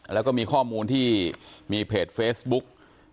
แล้วก็มีข้อมูลที่มีเพจเฟซบุ๊ก